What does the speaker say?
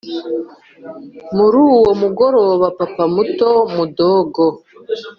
mur’uwo mugoroba papa muto(mudogo)